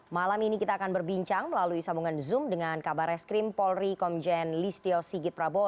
malam ini kita akan berbincang melalui sambungan zoom dengan kabar reskrim polri komjen listio sigit prabowo